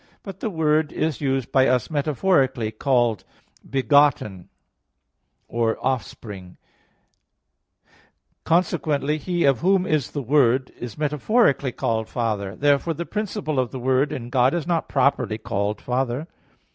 But the word is by us metaphorically called begotten, or offspring; and consequently, he of whom is the word, is metaphorically called father. Therefore the principle of the Word in God is not properly called Father.